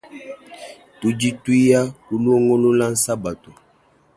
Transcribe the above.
Tudi tuya kulongolola sabatu.